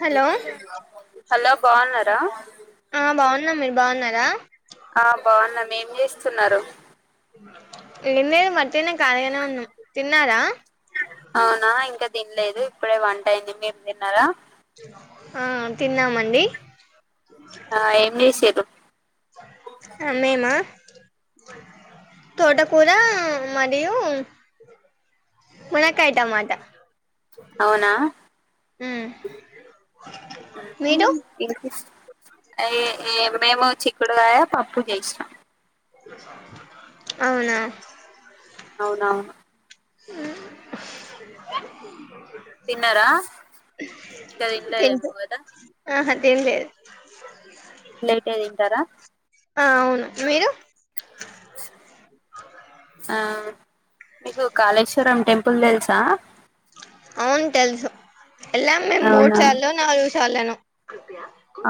Hello hello బాగున్నారా ఆ బాగున్ మీరు బాగున్నారా ఆ బాగున్నామ్ మేం చేస్తున్నరు ఏం లేదు మ అవునా ఇంకా తినలేదు ఇప్పుడే వంన్ వంట అయ్యింది మీరు తిన్నారా ఆ తిన్నామండి ఆ ఏం చేసిండ్రు ఆ మేమా తోటకూర మరియు మునక్కాయ టమాట అవునా ఉమ్ మీరు హ్మ్మ్ వినిపిస్ [unintelligible] చిక్కుడుకాయ పప్పు చేసిన అవునా అవునవును హ్మ్మ్ తిన్నార ఇంక తింటూ తినలేదేమో కదా ఆహా తినలేదు లేట్ గా తింటారా ఆ అవును మీరు మీకు కాళేశ్వరం టెంపుల్ పుల్ తెల్సా అవును తెల్సు ఎళ్ళాం మేము మూడు అవునా సార్లో నాలుగు సార్లనో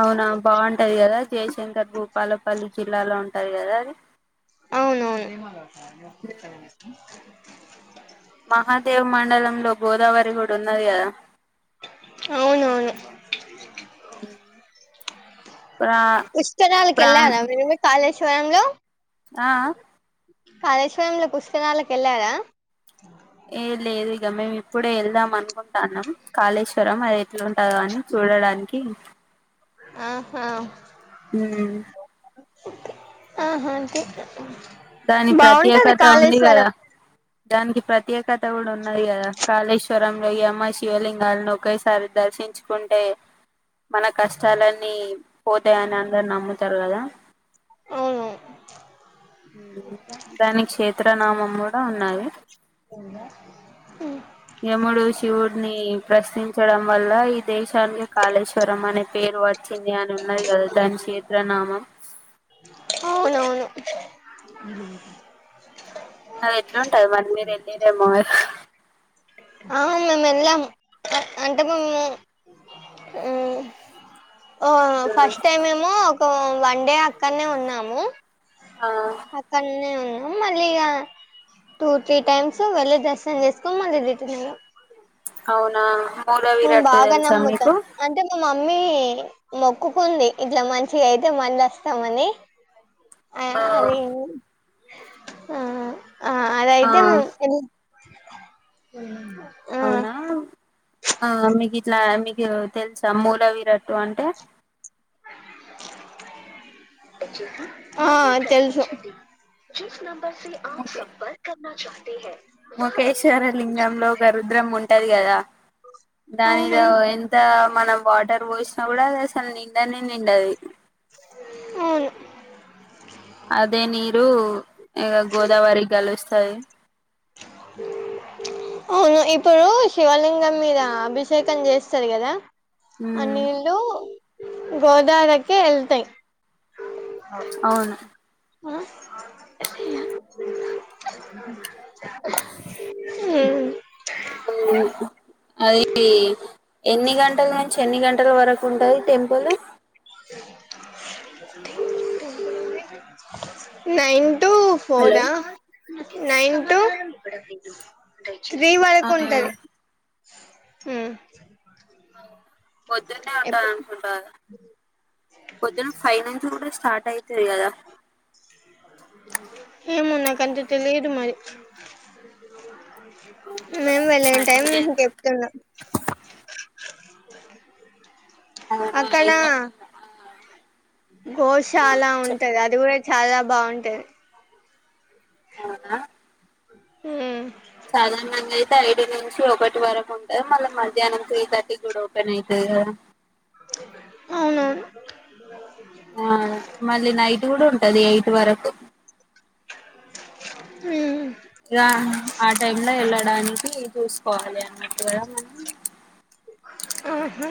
అవునా బాగుంటది కదా జయశంకర్ భూపాలపల్లి జిల్లాలో ఉంటది కదా అది అవునవును మహాదేవ్ మండలంలో గోదావరి కూడా ఉన్నది కదా అవునవును ప్రా పుష్కరాలకి ప్రాన్ వెళ్ళారా మీరు కాళేశ్వరం ఫోన్లు ఆ ఆ కాళేశ్వరంలో పుష్కరాలకు వెళ్ళారా ఏ లేదు ఇక మేము ఇప్పుడే వెళ్దాం అనుకుంటాన్నాం కాళేశ్వరం అది ఎట్లాంటదో అని చూడడానికి. ఆహా హ్మ్ ఆహా ఆంటి దాని ప్రత్యేకత ఉంది కదా దానికి ప్రత్యేకత తవుడు వున్నాయి కదా కాళేశ్వరం వోయి అమ్మా శివలింగ అన్నీ ఒకేసారి దర్శించుకుంటే మన కష్టాలన్నీ పోతాయని అందరు నమ్ముతారు కదా అవును దాని క్షేత్ర నామం కూడా ఉన్నాది యముడు శివుడిని ప్రశ్నించడం వల్ల ఈ దేశానికి కాళేశ్వరం అనే పేరు వచ్చ చెంది అని ఉన్నది కదా దాని చే ప్రణామం అవునవును నేనే మర్ అహ్ మేమ్ ఏల్లం అంటే మేం ఉ ఓ ఫస్ట్ టైమ్ ఏమో ఉ వన్ డే అక్కనే ఉన్నాము ఆ అతన్నే ఉ మళ్ళీ ఇగా టూ త్రీ టైమ్స్ వెళ్ళి దర్శనం చేసుకొని మళ్ళీ రిటర్న్ అయినం అవునా మూడ విరట్టు బాగా తెలుసా నమ్ముతాం మీకు అంటే మా మమ్మీ మొక్కుకుంది ఇట్లా మంచిగా అయితే మళ్ళ వస్తామని ఆ అదే ఉ ఆ ఆ అదయితే ఉ అవునా ఆ మీగి ఇట్లా మీకు తెలుసా మూల విరట్టు అంటే ఆ తెలుసు ఆ ఓకే, సంపర్క కన్నా చా ముఖేశ్వర లింగంలో గరుద్రం ఉంటది కదా దాని మీద అవునవును ఎంత మనం వాటర్ పోసినా కూడా అది అసల్ నిండానే నిండది అవును అదే నీరు ఇక గోదావరి కలుస్తది అవును ఇప్పుడు శివలింగం మీద అభిషేకం చేస్తారు కదా అ ఉమ్ నీళ్లు గోదావరికే వెళ్తా అవును ఆ ఆ మ్ అదీ ఎన్ని గంటలు నుంచి ఎన్ని గంట టల వరకు ఉంటది టెంపుల్ నైన్ టూ హలో ఫోరా నైన్ టూ [inaudible] త్రీ ఆ వరకు ఉంటది హ్మ్ పొద్దునే ఉంటంది అనుకుంటారు పొద్దున ఫైనాన్స్ కూడా స్టార్ట్ అయితు [unintelligible] కదా ఏమో నాకంత తెలియదు మరి మేం వెళ్ళి న టైం నేం చెప్తున్నా అవునా ఐదు అక్కనా గంటల ఆ గోశాల చెప్పు ఉంటది అది కూడా చాలా బావుంటది అవునా మ్ సాధారణంగా అయితే ఐదునుం సో ఒకటి వరకు ఉంటది మళ్ల మధ్యాహ్నం త్రీ థర్టీ కూడా ఓపెన్ అయితది కదా అవును ఆ మళ్ళీ నైట్ గుడు ఉంటది ఎయిట్ వరకు మ్ రా ఆ టైమ్ లో ఎల్ల డానికి చూసుకోవాలి అన్నట్టుగా మన ఆహా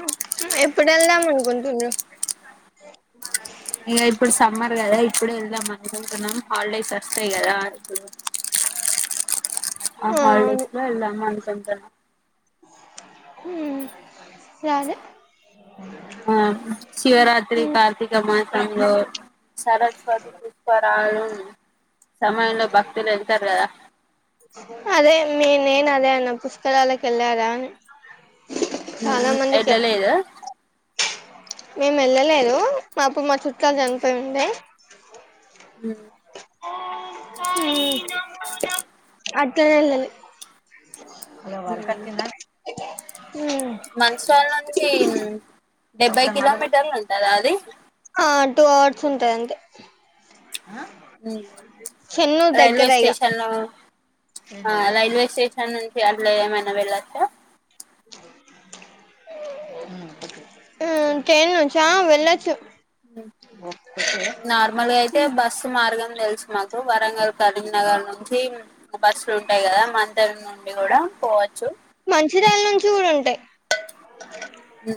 ఎప్పుడు వెళ్దాం అనుకుంటుండ్రు ఇక ఇప్పుడు సమ్మర్ కదా ఇప్పుడే వెళ్దాం అనుకుంటున్నాం హాలిడేస్ వస్తాయి కదా ఇప్పుడు అ హా.... అవును హాలిడేస్ లో వెళ్దామని [unintelligible] రాలే ఆ శివరాత్రి మ్మ్ కార్తీక మా టంగో సరస్వతి పుష్కరాలు సమయంలో భక్తులు ఎల్తారు కదా అదే మీ నేన్ అదే అన్న పుష్కరాలకి ఎళ్ళారా అని హ్ హ్ ఎల్లలేదా మేం ఎళ్ళలేదు పాపం మా చుట్ [unintelligible] చనిపోయి ఉండే హ మ్ [unintelligible] [unintelligible] అ మంచి వాల నుంచి డెబ్భై కిలోమీటర్ ఉంటద్ అదా అది ఆ టూ అవర్స్ ఉంటదంతే రైల్వే దగ్గర ఇగ స్టేషను ఆ రైల్వే స్టే అక్కడ్నుంచి అట్ల ఏమైన వెళ్ళచ్చా కేనుంచా వెళ్ళచ్చు నార్మల్గా అయితే బస్సు మార్గం తెల్సు మాకు వరంగల్, కరీంనగర్ నుంచి బస్సులు ఉంటాయి కదా మందరం నుండి గుడా పోవచ్చు మంచిర్యాల్ నుంచి గుడా ఉంటయి మ్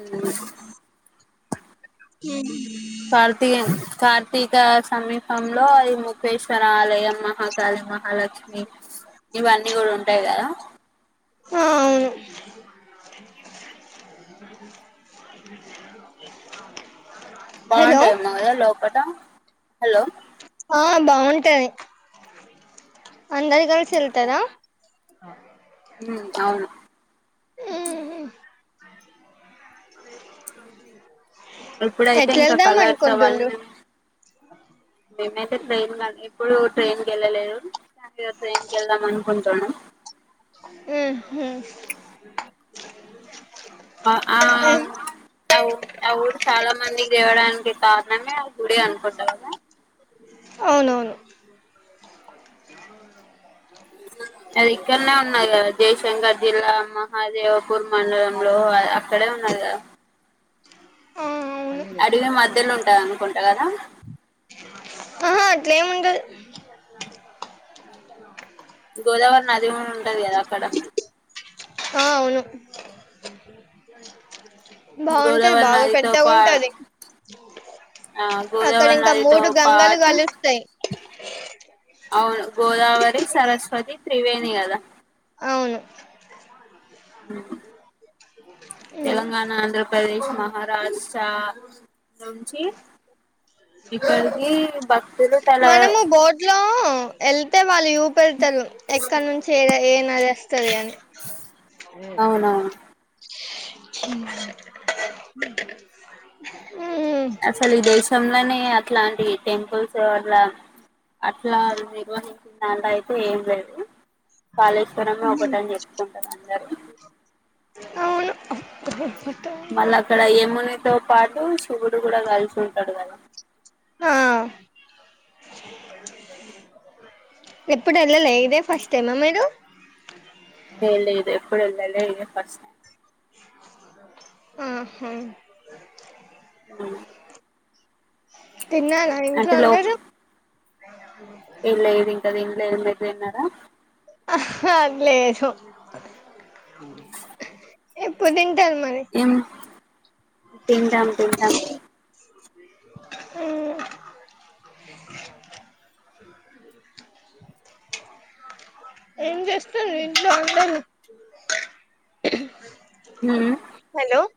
హ కార్తికే కార్ తిక సమీపంలో అది ముఖేశ్వర ఆలయం మహాకాళి, మహాలక్ష్మి ఇవన్నీ గుడ ఉంటయి కదా ఆ అవ్ను బాగుంటాయి ఏమో కదా లోపట హలో ఆ బాగుంటంది. అందర్ కలిసి ఎల్తరా మ్ అవును ఉహు ఇప్పుడైతే ఎట్లా ఇంకా వెళ్దాం కలర్స్ అనుకుంటుండ్రు అవన్నీ మేమైతే ట్రయిన్ గాని ఏప్పుడు ట్రైన్ కి వెళ్ళలేదు ట్రైన్ కి వెళ్దాం అనుకుంటానం ఉహు అ ఆ ఊ ఆ ఊరు చాలా మంది దేవడానికి కారణమే ఆవు గుడి అనుకుంట కదా అవునవును అది ఇక్కడనే ఉన్నాది కదా జయశంకర్ జిల్లా మహాదేవ్ పూర్ మండలంలో అక్కడే ఉన్నాది కదా ఆ అవును అడివి మధ్యలుంటయి అనుకుం కదా ఆహా అట్లేం ఉండదు గోదావరి నది ఉంటది కదా అక్కడ ఆ అవును బాగుంటది గోదావరి బాగా నదితో పెద్దగా పా ఉంటది ఆ అక్కడ గోదావరి ఇంకా నదితో మూడు గంగలు పాటు కలుస్తాయి అవును గోదావరి సరస్వతి త్రివేణి అ దా అవును ఉమ్. తెలంగాణ ఆంధ్రప్రదేశ్ మహారాష్ట నుంచి ఇక్కడికి భక్తులు తన ఎల్ వాళ్ళు చూపే పెడతారు ఎక్కడ నుంచి ఏ ఏ నది వస్తాది అని అవునవును హుహు అసలు ఈ దేశంంలోనే ఇట్లాంటి టెంపుల్స్ అట్లా అట్లా నిర్వహించిన అయితే ఏం లేదు కాళేశ్వరమే ఒకట అని చెప్పుకుంటారు అందరు అవును మళ్ళ అక్కడ ఏము తో పాటు శివుడు కూడా కాల్చి ఉంటాడు కాదా ఆ ఉ ఎప్పుడు వెళ్ళలే ఇదే ఫస్ట్ టైమా మీరు చూడాలే ఎప్పుడు వెళ్ళలే ఇదే ఫస్ట్ ఆహా అ చుక్‌ చుక్. తిన్నాను ఇంట్లో అందరూ. అయో లేదు ఇంకా తిన్న లేదు మే. తిన్నరా. అహా లేదు ఎప్పుడు ఇం. ఏం తింటాం తింటాం. హ్మ్. ఏం చేస్తారు ఇంట్లో అందరూ. హ్మ్.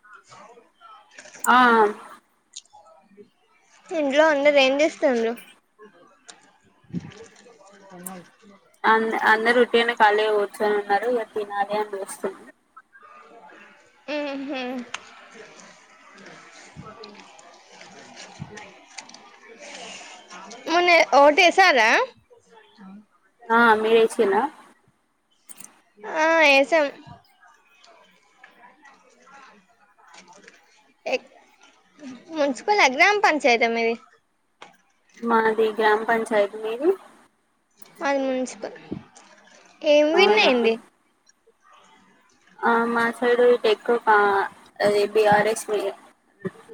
ఆ [unintelligible] ఇంట్లో అందరు ఏం చేస్తుంరు. అన్ అందరూ. అనా ఖళీ కూర్చుని ఉన్నారు ఇగ తినాలి అని వస్తున్నం. ఉహు మొన్న ఓటు వేసార. ఆ మీరు వేసార. ఆ ఏసాం. ఏ మున్సిపల్ గ్రామ పంచాయతీ మీది. మాది గ్రామ పంచాయతీ మీది. మాది మున్సిపల్. ఏమి విన్ అవునా అయింది. ఆ మా సైడ్ ఎక్కువ ఆ B R S win.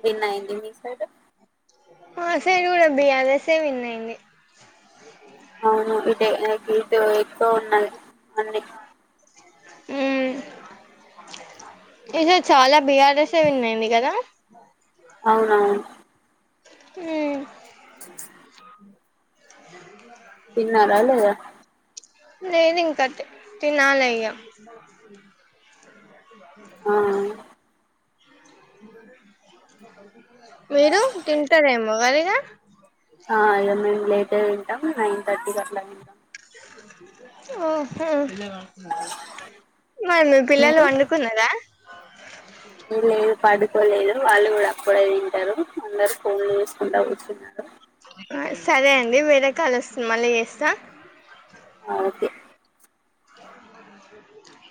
Win అయింది మీ సైడ్. మా సైడ్ కూడా బిఆర్ఎస్ విన్నాయింది. అవును ఇది ఇటు ఎక్కువ ఉన్నాయి అన్న. హ్మ్ ఇధి చాలా బీఆర్ఎస్ విన్నాయింది కదా. అవును అవును. ఉమ్ చుక్ చుక్. తిన్నారా లేదా. లేదు ఇంకా తి తినాలే ఇగ. నువ్ ఆగ లేదా ఆ దుప మీరు తింటారేమో గదా ఇగ. ఆ ఇగ మేము లేట్. ఇగ తింటాం నైన్ థర్టీకి అట్లా తింటాం. ఆహో మరి మీ పిల్లలు వండుకున్నరా వీళ్ళు వీళ్ళు పడుకోలేదు వాళ్ళు గుడా అప్పుడే తింటారు అందరు ఫోన్లు చేసుకుంటా కూర్చున్నారు సరే అండి వేరే కాల్ వస్తుంది మళ్ళా చేస్తా అకె